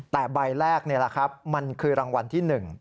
แต่ใบแรกนี่แหละครับมันคือรางวัลที่๑